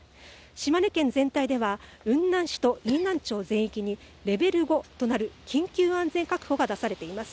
島根県全体では雲南市と飯南町全域にレベル５となる緊急安全確保が出されています。